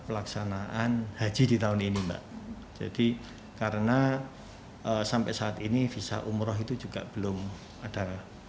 pelaksanaan haji di tahun ini mbak jadi karena sampai saat ini visa umroh itu juga belum ada